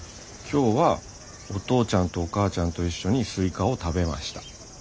「今日はお父ちゃんとお母ちゃんと一緒にすいかを食べました」。